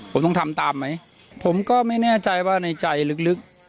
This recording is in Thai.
ผมต้องทำตามไหมผมก็ไม่แน่ใจว่าในใจลึก